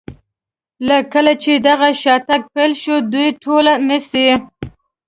له کله چې دغه شاتګ پیل شوی دوی ټول نیسي.